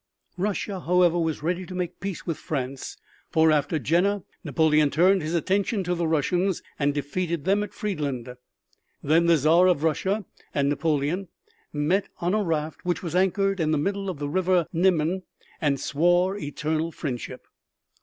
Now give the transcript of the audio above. Russia, however, was ready to make peace with France, for after Jena Napoleon turned his attention to the Russians and defeated them at Friedland. Then the Czar of Russia and Napoleon met on a raft which was anchored in the middle of the river Niemen and swore eternal friendship.